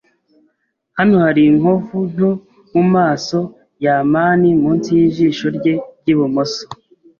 Hano hari inkovu nto mumaso ya amani munsi yijisho rye ryibumoso.